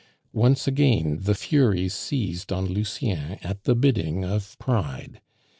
Once again the Furies seized on Lucien at the bidding of Pride.